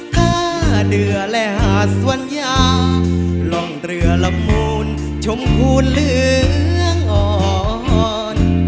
ท่าเดือและหาสวรรยาลองเตือละมูลชมพูนเหลืองอ่อน